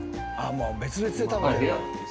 もう別々で食べてる